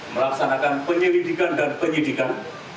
melaksanakan penyelidikan dan penyidikan